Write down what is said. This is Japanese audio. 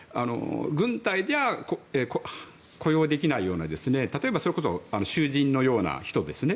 軍隊じゃ雇用できないようなそれこそ例えば囚人のような人ですね。